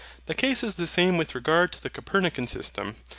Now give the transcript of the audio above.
The case is the same with regard to the Copernican system.